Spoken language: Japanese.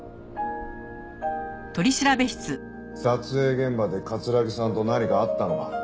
撮影現場で城さんと何かあったのか？